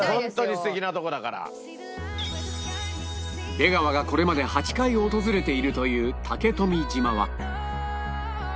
出川がこれまで８回訪れているという竹富島は